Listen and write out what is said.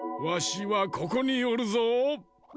わしはここにおるぞ！